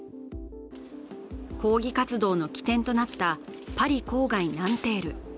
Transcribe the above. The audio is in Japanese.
抗議活動の起点となったパリ郊外ナンテール。